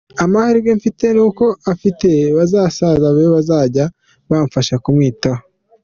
Amahirwe mfite ni uko afite basaza be bazajya bamfasha kumwitaho.